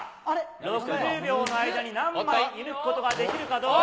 ６０秒の間に何枚射貫くことができるかどうか。